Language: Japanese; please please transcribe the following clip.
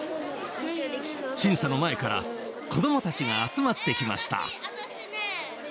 審査の前から子どもたちが集まってきました。